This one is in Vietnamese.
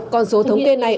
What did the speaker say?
còn số thống kê này